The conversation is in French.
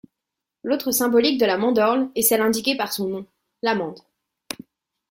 L'autre symbolique de la mandorle est celle indiquée par son nom, l'amande.